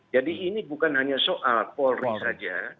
jadi ini bukan hanya soal polri saja